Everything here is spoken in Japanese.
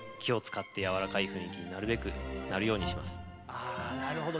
あなるほど。